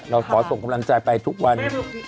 เราขอส่งกำลังใจไปทุกวัน